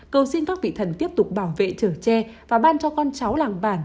cầu xin các vị thần tiếp tục bảo vệ trở tre và ban cho con cháu làng bản